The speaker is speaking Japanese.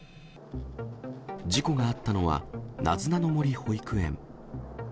事故があったのは、なずなの森保育園。